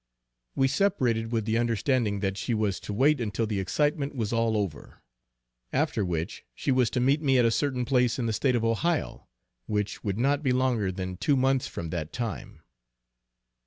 We separated with the understanding that she was to wait until the excitement was all over; after which she was to meet me at a certain place in the State of Ohio; which would not be longer than two months from that time.